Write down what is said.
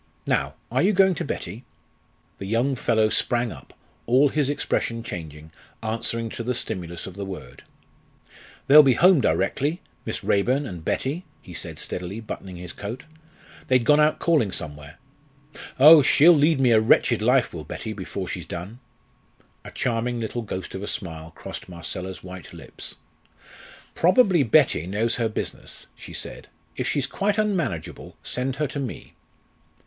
Now, are you going to Betty?" The young fellow sprang up, all his expression changing, answering to the stimulus of the word. "They'll be home directly, Miss Raeburn and Betty," he said steadily, buttoning his coat; "they'd gone out calling somewhere. Oh! she'll lead me a wretched life, will Betty, before she's done!" A charming little ghost of a smile crossed Marcella's white lips. "Probably Betty knows her business," she said; "if she's quite unmanageable, send her to me."